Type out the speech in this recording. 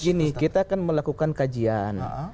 nah gini kita kan melakukan kajian